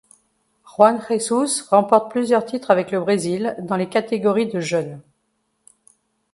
Juan Jesus remporte plusieurs titres avec le Brésil dans les catégories de jeunes.